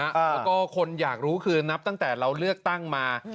แล้วก็คนอยากรู้คือนับตั้งแต่เราเลือกตั้งมา